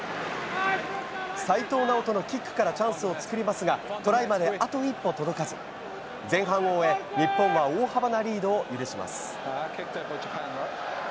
齋藤直人のキックからチャンスを作りますがトライまであと一歩届かず、前半を終え、日本は大幅なリードを許します。